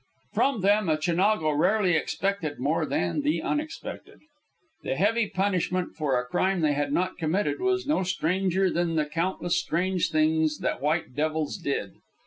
From them a Chinago rarely expected more than the unexpected. The heavy punishment for a crime they had not committed was no stranger than the countless strange things that white devils did.